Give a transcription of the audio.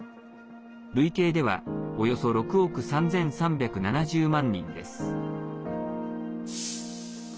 累計ではおよそ６億３３７０万人です。